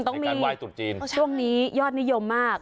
ในการไหว้ตรุษจีนต้องมีช่วงนี้ยอดนิยมมาก